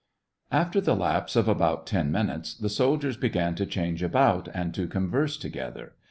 After the lapse of about ten minutes, the sol diers began to change about and to converse to gether.